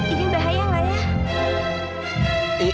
ini bahaya gak ya